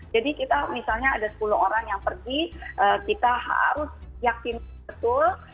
jadi kita misalnya ada sepuluh orang yang pergi kita harus yakin betul